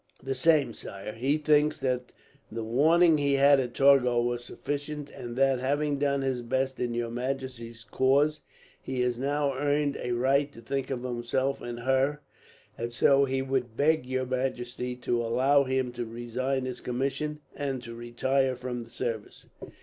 "The same, sire. He thinks that the warning he had at Torgau was sufficient; and that, having done his best in your majesty's cause, he has now earned a right to think of himself and her; and so he would beg your majesty to allow him to resign his commission, and to retire from the service."